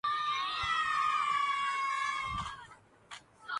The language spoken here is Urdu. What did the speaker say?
ازبکستان کے وفد کا اسلام باد چیمبر کامرس کا دورہ